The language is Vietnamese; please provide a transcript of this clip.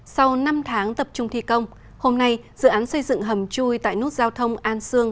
sau năm tháng tập trung thi công hôm nay dự án xây dựng hầm chui tại nút giao thông an sương